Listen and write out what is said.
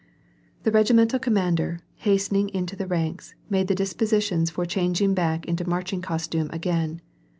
The regimental commander, hastening into the ranks, made the dispositions for changing back into marching costume again.